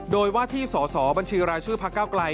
โดยว่าที่สอสอบัญชีรายชื่อพักเก้าไกล